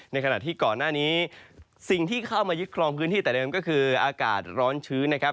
ในขณะที่ก่อนหน้านี้สิ่งที่เข้ามายึดครองพื้นที่แต่เดิมก็คืออากาศร้อนชื้นนะครับ